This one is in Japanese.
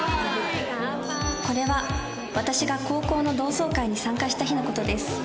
これは私が高校の同窓会に参加した日の事です